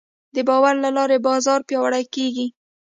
د باور له لارې بازار پیاوړی کېږي.